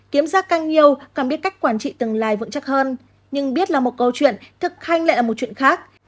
kiếm ra càng nhiều càng biết cách quản trị tương lai vững chắc hơn nhưng biết là một câu chuyện thực hành lại là một chuyện khác